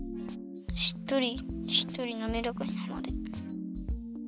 しっとりしっとりなめらかになるまで。